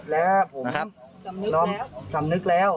แล้วชำนึกแล้ว